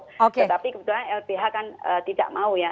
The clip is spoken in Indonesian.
tetapi kebetulan lbh kan tidak mau ya